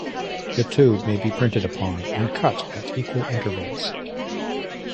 The tube may be printed upon, and cut at equal intervals.